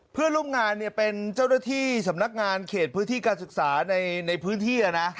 เพื่อนร่วมงานเป็นเจ้าหน้าที่สำนักงานเขตพื้นที่การศึกษาในพื้นที่